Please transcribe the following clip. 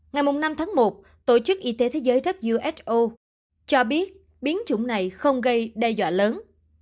ngày năm tháng một tổ chức y tế thế giới who cho biết biến chủng này không gây đe dọa lớn